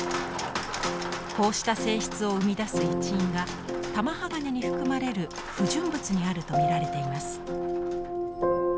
こうした性質を生み出す一因が玉鋼に含まれる不純物にあると見られています。